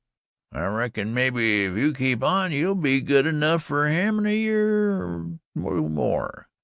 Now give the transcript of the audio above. I reckon maybe, if you keep on, you'll be good enough fer him in a year or two more."